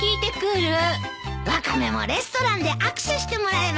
ワカメもレストランで握手してもらえばよかったのに。